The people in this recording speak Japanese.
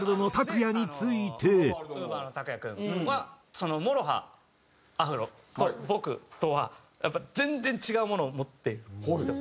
そしてＭＯＲＯＨＡアフロと僕とはやっぱ全然違うものを持ってる人。